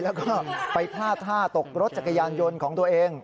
แล้วก็ไปพลาดท่าตกรถจักรยานยนต์ของตัวเอง